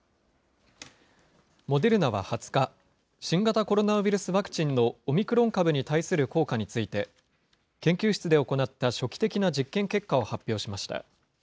モデルナは２０日、新型コロナウイルスワクチンのオミクロン株に対する効果について、研究室で行った初期的な実験結果を発表しました。